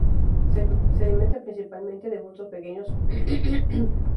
Se alimenta principalmente de frutos pequeños de "Cordia" spp.